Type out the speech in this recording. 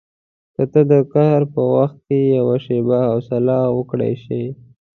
که ته د قهر په وخت کې یوه شېبه حوصله وکړای شې.